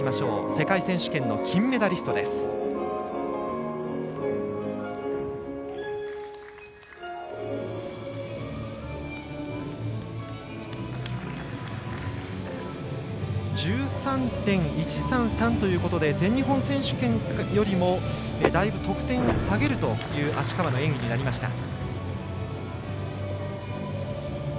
世界選手権の金メダリストです。１３．１３３ということで全日本選手権よりもだいぶ得点を下げるという芦川の演技になりました。